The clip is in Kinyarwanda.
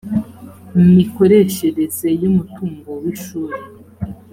mikoreshereze y umutungo w ishuri